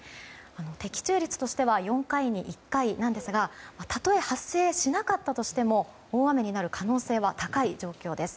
的中率としては４回に１回なんですがたとえ発生しなかったとしても大雨になる可能性は高い状況です。